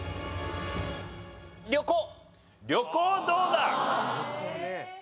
旅行どうだ？